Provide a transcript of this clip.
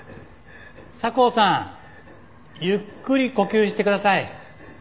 佐向さんゆっくり呼吸してください。